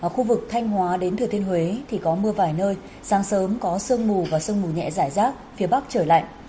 khu vực thanh hóa đến thừa thiên huế thì có mưa vài nơi sáng sớm có sương mù và sương mù nhẹ giải rác phía bắc trời lạnh